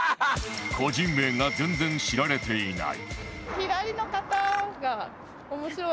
個人名が全然知られていない